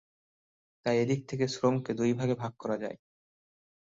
তাই এদিক থেকে শ্রমকে দুই ভাগে ভাগ করা যায়।